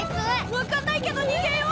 分かんないけどにげよう！